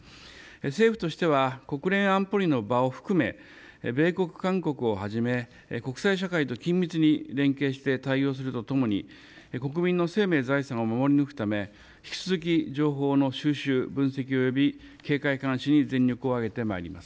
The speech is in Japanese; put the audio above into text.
政府としては国連安保理の場を含め米国、韓国をはじめ国際社会と緊密に連携をして対応するとともに国民の生命、財産を守り抜くため引き続き情報の収集、分析および警戒監視に全力を挙げてまいります。